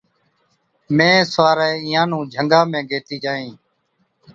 مين سُوارَي اِينهان نُون جھنگا ۾ گيهٿِي جاهِين،